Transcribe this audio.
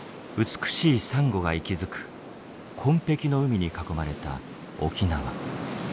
美しいサンゴが息づく紺ぺきの海に囲まれた沖縄。